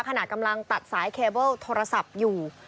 ขณะกำลังตัดสายเคเบิลโทรศัพท์อยู่